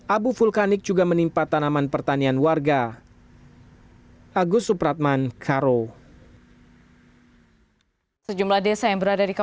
abu vulkanik juga menimpa tanaman pertanian warga